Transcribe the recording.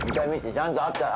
ちゃんとあったら。